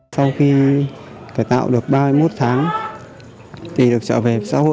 sau khi phải tạo được ba mươi một tháng thì được trở về xã hội